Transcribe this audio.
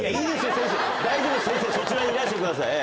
先生大丈夫です先生そちらにいらしてください。